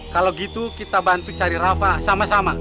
kalau gitu kita bantu cari rafa sama sama